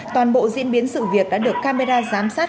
toàn bộ diễn biến sự việc đã được camera giám sát